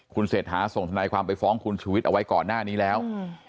คุณเศรษฐาส่งทนายความไปฟ้องคุณชูวิทย์เอาไว้ก่อนหน้านี้แล้ว